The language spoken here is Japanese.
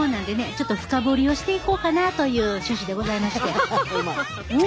ちょっと深掘りをしていこうかなという趣旨でございまして。